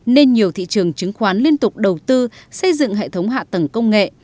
nên nhiều thị trường chứng khoán liên tục đầu tư xây dựng hệ thống hạ tầng công nghệ